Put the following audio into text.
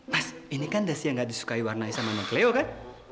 mas ini kan dasi yang nggak disukai warna nya sama anak cleo kan